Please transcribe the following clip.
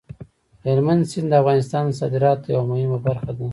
هلمند سیند د افغانستان د صادراتو یوه مهمه برخه ده.